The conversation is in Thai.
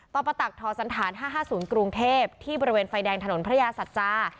ต่อประตักทสันฐาน๕๕๐กรุงเทพฯที่บริเวณไฟแดงถนนพระยาศัตรรย์จ้า